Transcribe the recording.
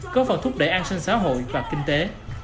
có phần thúc đẩy an sinh xã hội và kinh tế